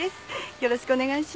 よろしくお願いします。